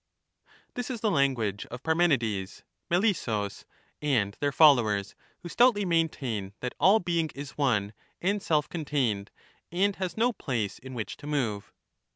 This is the language of Parmenides, Melissus, and their followers, who stoutly maintain that all being is one and self contained, and has no place in which to move.